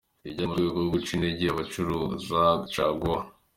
Ibi byari mu rwego rwo guca intege abacuruza caguwa .